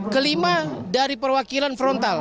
kelima dari perwakilan frontal